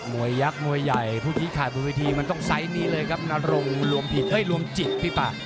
มวยักมวยใหญ่ภูกิขาดบนพิวเทียมันต้องไซส์นี้เลยครับนารงรวมผิดเฮ้ยรวมจิตพี่ป่ะ